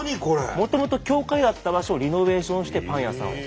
もともと教会だった場所をリノベーションしてパン屋さんを。